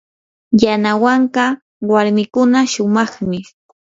yanawanka warmikuna shumaqmi.